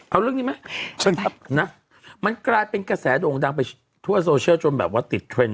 เอาเรื่องนี้ไหมเชิญครับนะมันกลายเป็นกระแสโด่งดังไปทั่วโซเชียลจนแบบว่าติดเทรนด